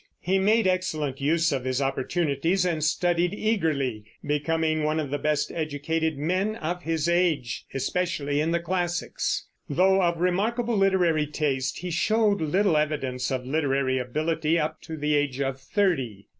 He made excellent use of his opportunities and studied eagerly, becoming one of the best educated men of his age, especially in the classics. Though of remarkable literary taste, he showed little evidence of literary ability up to the age of thirty.